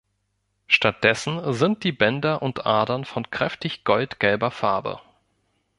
Stattdessen sind die Bänder und Adern von kräftig goldgelber Farbe.